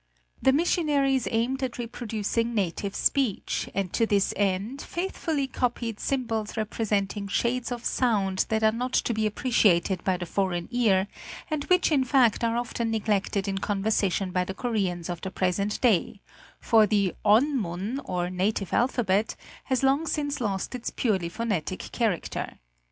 The mission aries aimed at reproducing native speech, and to this end faith fully copied symbols representing shades of sound that are not to be appreciated by the foreign ear, and which in fact are often neglected in conversation by the Koreans of the present day—for the On mun, or native alphabet, has long since lost its purely phonetic character.